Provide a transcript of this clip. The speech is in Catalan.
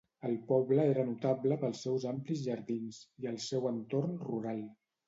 El poble era notable pels seus amplis jardins, i el seu entorn rural.